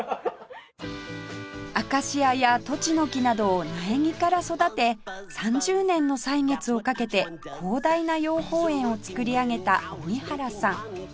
アカシアやトチノキなどを苗木から育て３０年の歳月をかけて広大な養蜂園を造り上げた荻原さん